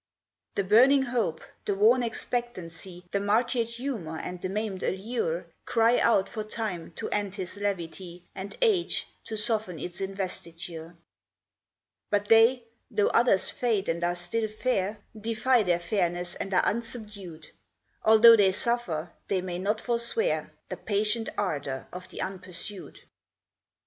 The burning hope, the worn expectancy, The martyred humor, and the maimed allure, Cry out for time to end his levity, And age to soften its investiture; But they, though others fade and are still fair, Defy their fairness and are unsubdued; Although they suffer, they may not forswear The patient ardor of the unpursued.